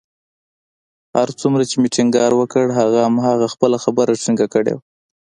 هر څومره چې مې ټينګار وکړ، هغه همهغه خپله خبره ټینګه کړې وه